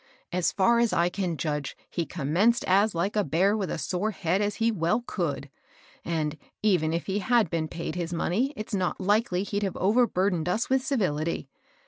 So far as I can judge, he commenced as like a bear with a sore head as he well could ; and, even if he had been paid his mon ey it's not likely he'd have overburdened us with civility.